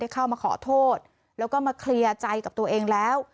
เข้ามาขอโทษแล้วก็มาเคลียร์ใจกับตัวเองแล้ว